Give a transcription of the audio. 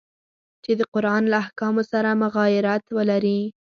چي د قرآن له احکامو سره مغایرت ولري.